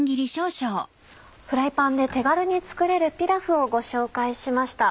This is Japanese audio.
フライパンで手軽に作れるピラフをご紹介しました。